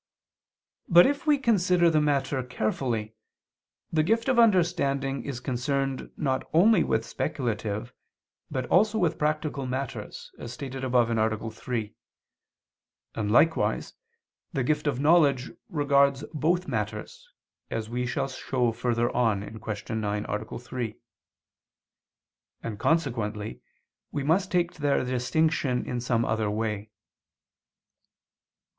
But if we consider the matter carefully, the gift of understanding is concerned not only with speculative, but also with practical matters, as stated above (A. 3), and likewise, the gift of knowledge regards both matters, as we shall show further on (Q. 9, A. 3), and consequently, we must take their distinction in some other way.